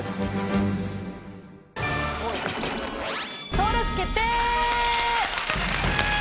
登録決定！